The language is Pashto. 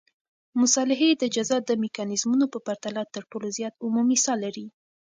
مصالحې د جزا د میکانیزمونو په پرتله تر ټولو زیات عمومي ساه لري.